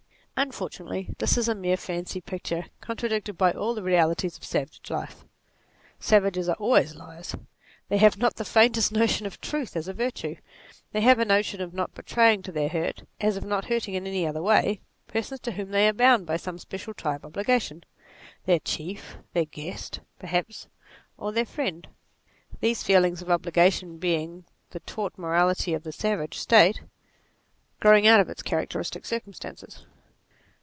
Unfortunately this is a mere fancy picture, contradicted by all the realities of savage life. Savages are always liars. They have not the faintest notion of truth as a virtue. They have a notion of not betraying to their hurt, as of not hurting in any other way, persons to whom they are bound by some special tie of obligation; their chief, their guest, perhaps, or their friend : these feelings of obligation being the taught morality of the savage state, growing out of its characteristic cir E 52 NATURE cum stances.